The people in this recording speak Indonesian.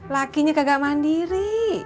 lakinya kagak mandiri